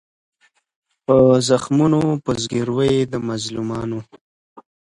په زخمونو په زګیروي د مظلومانو